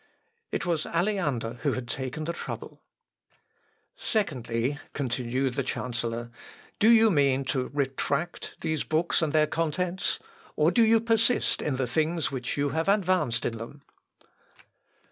It was Aleander who had taken the trouble. "Secondly," continued the chancellor, "do you mean to retract these books and their contents, or do you persist in the things which you have advanced in them?"